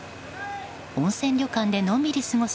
温泉旅館でのんびり過ごす